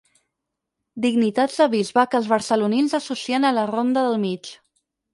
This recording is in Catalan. Dignitats de bisbe que els barcelonins associen a la Ronda del Mig.